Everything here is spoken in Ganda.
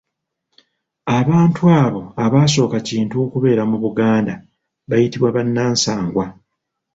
Abantu abo abaasooka Kintu okubeera mu Buganda, bayitibwa bannansangwa.